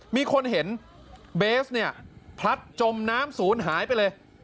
มีคนเห็นเบสเนี่ยพลัดจมน้ำศูนย์หายไปเลย